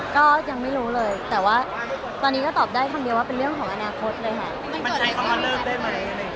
ก็ยังไม่รู้เลยแต่ว่าตอนนี้ก็ตอบได้ครั้งเดียวว่าเป็นเรื่องของอนาคตเลยค่ะ